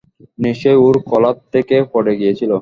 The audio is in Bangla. নিশ্চয়ই ওর কলার থেকে পড়ে গিয়েছিল।